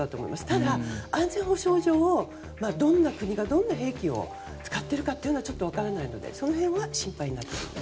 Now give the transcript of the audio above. ただ、安全保障上どんな国が、どんな兵器を使っているかというのはちょっと分からないのでその辺が心配なんですね。